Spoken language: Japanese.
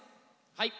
はい。